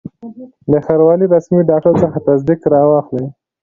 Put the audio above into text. د ښاروالي له رسمي ډاکټر څخه تصدیق را واخلئ.